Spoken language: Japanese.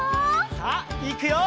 さあいくよ！